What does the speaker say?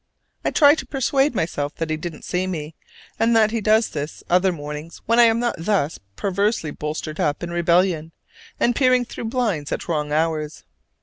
I try to persuade myself that he didn't see me, and that he does this, other mornings, when I am not thus perversely bolstered up in rebellion, and peering through blinds at wrong hours.